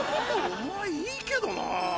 お前いいけどなぁ。